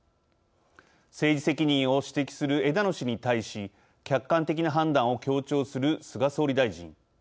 政治責任を指摘する枝野氏に対し客観的な判断を強調する菅総理大臣。